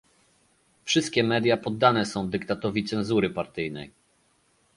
Wszystkie media poddane są dyktatowi cenzury partyjnej